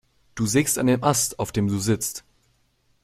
Du sägst an dem Ast, auf dem du sitzt.